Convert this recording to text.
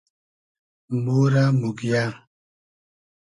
مۉرۂ موگیۂ